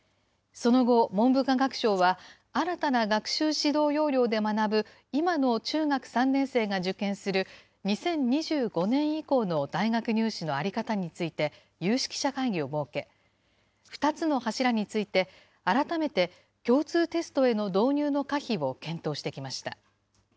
その後、文部科学省は、新たな学習指導要領で学ぶ、今の中学３年生が受験する２０２５年以降の大学入試の在り方について、有識者会議を設け、２つの柱について、改めて共通テストへの導入の可否を検討してきました。